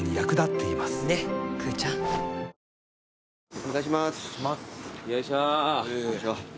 お願いします。